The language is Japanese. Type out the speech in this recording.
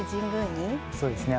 そうですね